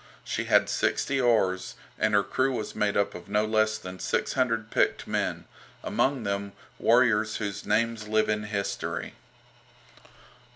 She had sixty oars, and her crew was made up of no less than six hundred picked men, among them warriors whose names live in history.